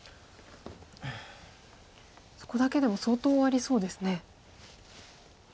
そこだけでも相当ありそうですね。